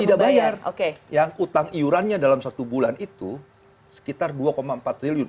tidak bayar yang utang iurannya dalam satu bulan itu sekitar dua empat triliun